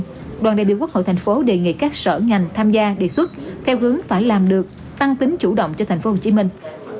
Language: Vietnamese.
trong đó đoàn đại biểu quốc hội thành phố đề nghị các sở ngành tham gia đề xuất theo hướng phải làm được tăng tính chủ động cho thành phố hồ chí minh